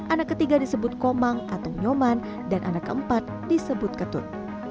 anak ketiga disebut komang atau nyoman dan anak keempat disebut ketut